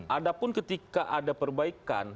ada pun ketika ada perbaikan